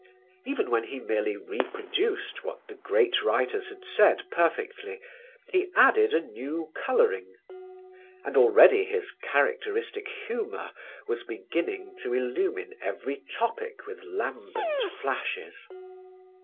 Even when he merely reproduced what the great writers had said perfectly, he added a new colouring. And already his characteristic humour was beginning to illumine every topic with lambent flashes.